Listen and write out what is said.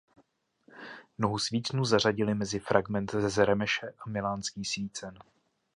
Nohu svícnu zařadili mezi fragment z Remeše a milánský svícen.